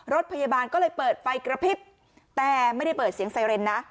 รถพยาบาลก็เลยเปิดไฟกระพริบแต่ไม่ได้เปิดเสียงไซเรนนะ